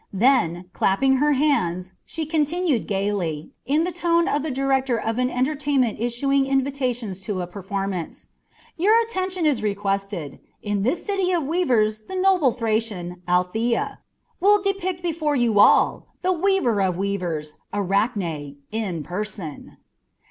Then, clapping her hands, she continued gaily, in the tone of the director of an entertainment issuing invitations to a performance: "Your attention is requested! In this city of weavers the noble Thracian, Althea, will depict before you all the weaver of weavers, Arachne, in person."